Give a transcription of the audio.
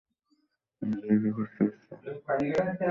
আমি তাদেরকে খুজতে যাচ্ছি।